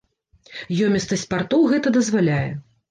Ёмістасць партоў гэта дазваляе.